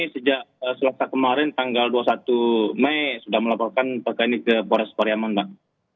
sejak selasa kemarin tanggal dua puluh satu mei sudah melaporkan apakah ini ke polres pariaman mbak